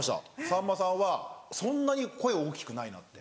さんまさんはそんなに声大きくないなって。